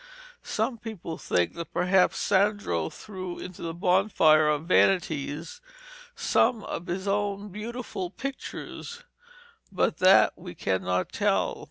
Some people think that perhaps Sandro threw into the Bonfire of Vanities some of his own beautiful pictures, but that we cannot tell.